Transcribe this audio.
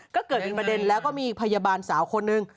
ก็เกิดเป็นประเด็นแล้วก็มีพยาบาลสาวคนนึง